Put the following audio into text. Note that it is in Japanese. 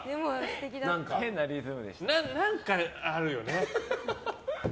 何かあるよね。